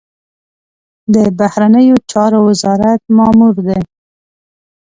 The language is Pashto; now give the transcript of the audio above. د بهرنیو چارو وزارت مامور دی.